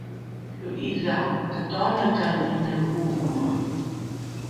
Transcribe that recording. lo’idha tatoalakaenine oomoe